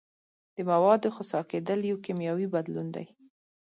د موادو خسا کیدل یو کیمیاوي بدلون دی.